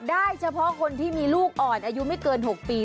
ได้เฉพาะคนที่มีลูกอ่อนอายุไม่เกิน๖ปี